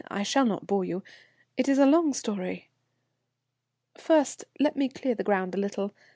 I shall not bore you. It is a long story. First let me clear the ground a little.